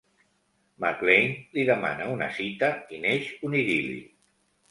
McLain li demana una cita i neix un idil·li.